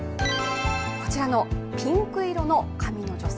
こちらのピンク色の髪の女性。